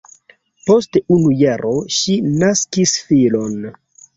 Post unu jaro ŝi naskis filon.